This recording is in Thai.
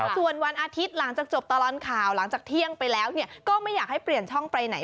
ส่วนวันอาทิตย์หลังจากจบตลอดข่าวหลังจากเที่ยงไปแล้วเนี่ยก็ไม่อยากให้เปลี่ยนช่องไปไหน